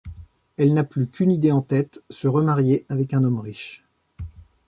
Elle n'a plus qu'une idée en tête, se remarier avec un homme riche.